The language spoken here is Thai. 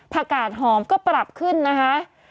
กาดหอมก็ปรับขึ้นนะคะ